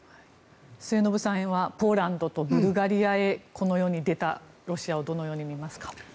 末延さんはポーランドとブルガリアへこのように出たロシアをどう見ますか？